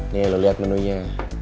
nih lo liat menunya